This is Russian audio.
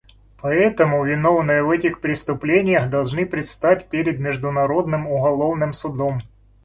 Поэтому виновные в этих преступлениях должны предстать перед Международным уголовным судом.